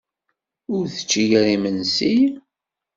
Ur tečči ara imensi?